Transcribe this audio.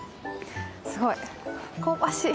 すごい香ばしい！